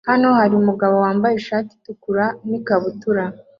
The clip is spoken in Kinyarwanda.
Hano hari umugabo wambaye ishati itukura n'ikabutura